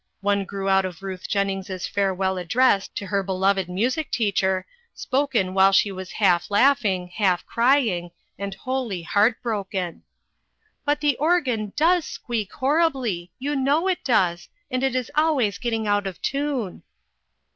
One grew out of Ruth Jen nings' farewell words to her beloved music teacher, spoken while she was half laughing, half crying, arid wholly heart broken: "But the organ does squeak horribly; you know it does; and it is always getting out of tune."